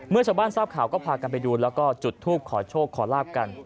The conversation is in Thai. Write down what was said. ชาวบ้านทราบข่าวก็พากันไปดูแล้วก็จุดทูปขอโชคขอลาบกัน